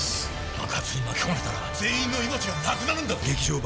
爆発に巻き込まれたら全員の命がなくなるんだ！